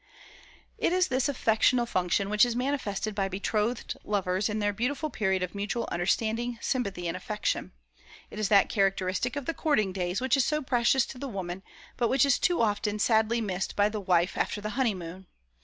It is this affectional function which is manifested by betrothed lovers in their beautiful period of mutual understanding, sympathy, and affection. It is that characteristic of the courting days which is so precious to the woman, but which is too often sadly missed by the wife after the honeymoon.